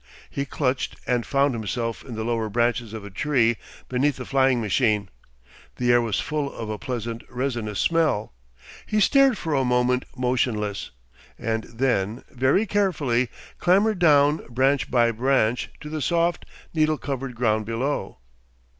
He clutched and found himself in the lower branches of a tree beneath the flying machine. The air was full of a pleasant resinous smell. He stared for a moment motionless, and then very carefully clambered down branch by branch to the soft needle covered ground below.